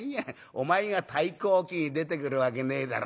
お前が『太閤記』へ出てくるわけねえだろ